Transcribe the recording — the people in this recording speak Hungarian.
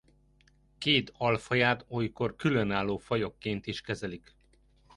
Két alfaját olykor különálló fajokként is kezelik.